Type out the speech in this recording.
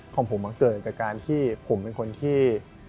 ของผมมันเกิดจากการที่ผมเป็นคนที่